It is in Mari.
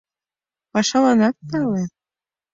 Пашаланат тале.